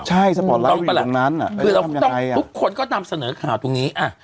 ใช่สปอร์ตไลฟ์อยู่ตรงนั้นอ่ะทุกคนก็นำเสนอข่าวตรงนี้อ่ะ